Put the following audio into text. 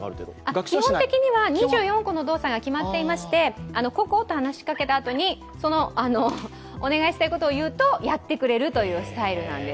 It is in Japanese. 基本的には２４個の動作が決まっていまして、ココ、と話しかけたあとにお願いしたいことを言うとやってくれるというスタイルなんです。